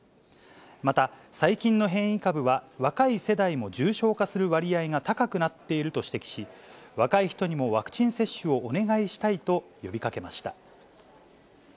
また、最近の変異株は若い世代も重症化する割合が高くなっていると指摘し、若い人にもワクチン接種をお願いしたいと呼びかけました。